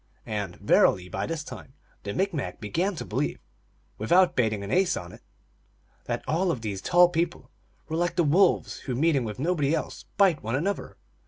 And, verily, by this time the Micmac began to believe, without bating an ace on it, that all of these tall people were like the wolves, who, meeting with nobody else, bite one another.